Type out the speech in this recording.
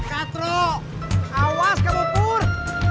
katro awas kabupur